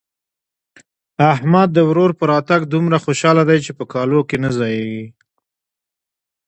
احمد د ورور په راتګ دومره خوشاله دی چې په کالو کې نه ځايېږي.